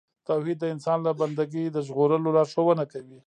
توحید د انسان له بندګۍ د ژغورلو لارښوونه کوي.